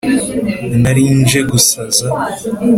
nari nje gusaza.